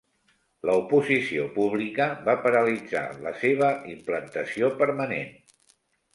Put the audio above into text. L'oposició pública va paralitzar la seva implantació permanent.